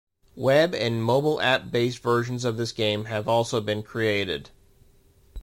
Web and mobile app based versions of this game have also been created.